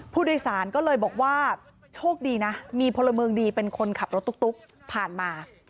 ผู้โดยสารก็เลยบอกว่าโชคดีนะมีพลเมืองดีเป็นคนขับรถตุ๊กผ่านมา